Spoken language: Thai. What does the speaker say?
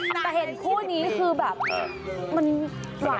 แต่เห็นคู่นี้คือแบบมันหลายไปด้วยน่ะ